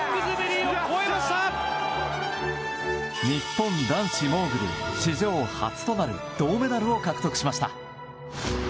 日本男子モーグル史上初となる銅メダルを獲得しました。